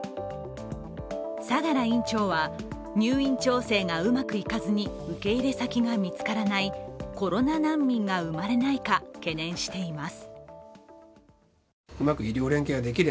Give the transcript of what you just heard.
相良医院長は入院調整がうまくいかずに受け入れ先が見つからないコロナ難民が生まれないか懸念しています。